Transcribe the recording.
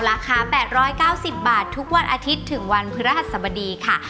ราคา๘๙๐บาททุกวันอาทิตย์ถึงวันพฤหัสสบดีค่ะ